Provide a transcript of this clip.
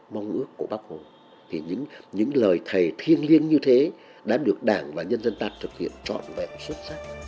mong ước của bác hồn những lời thề thiêng liên như thế đã được đảng và nhân dân ta thực hiện trọn vẹn xuất sắc